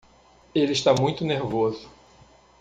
Ele está muito nervoso.